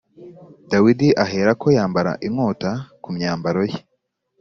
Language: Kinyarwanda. Dawidi aherako yambara inkota ku myambaro ye